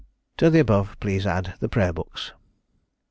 "To the above please to add the prayer books.